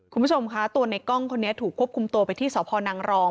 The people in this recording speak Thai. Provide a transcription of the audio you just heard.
คุณผู้ชมคะตัวในกล้องคนนี้ถูกควบคุมตัวไปที่สพนังรอง